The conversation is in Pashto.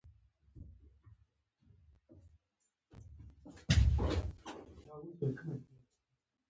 اوبزین معدنونه د افغانستان د اقلیم ځانګړتیا ده.